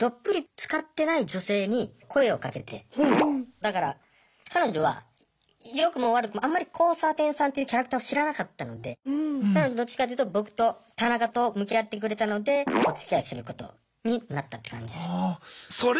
だから彼女は良くも悪くもあんまり交差点さんというキャラクターを知らなかったのでなのでどっちかというと僕と田中と向き合ってくれたのでおつきあいすることになったって感じです。